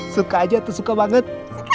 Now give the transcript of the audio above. suka aja tuh suka banget